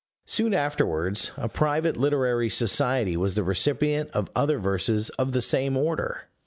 Soon afterwards, a private literary society was the recipient of other verses of the same order.